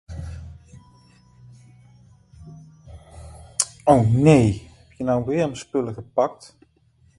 The video ends with Nickelback disappearing with the mysterious light.